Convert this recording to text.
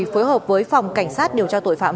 phối hợp với phòng cảnh sát điều tra tội phạm